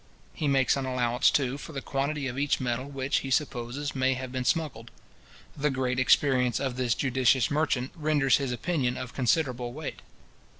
He makes an allowance, too, for the quantity of each metal which, he supposes, may have been smuggled. The great experience of this judicious merchant renders his opinion of considerable weight.